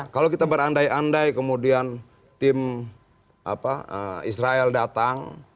kalau kita berandai andai kemudian tim israel datang